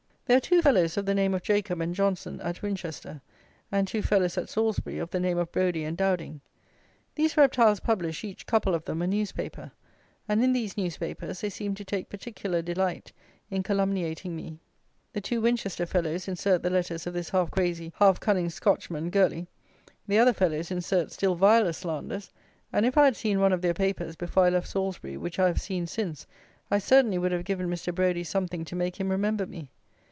There are two fellows of the name of Jacob and Johnson at Winchester, and two fellows at Salisbury of the name of Brodie and Dowding. These reptiles publish, each couple of them, a newspaper; and in these newspapers they seem to take particular delight in calumniating me. The two Winchester fellows insert the letters of this half crazy, half cunning, Scotchman, Gourlay; the other fellows insert still viler slanders; and, if I had seen one of their papers, before I left Salisbury, which I have seen since, I certainly would have given Mr. Brodie something to make him remember me.